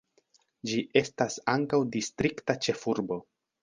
Ĝi estas ankaŭ distrikta ĉefurbo.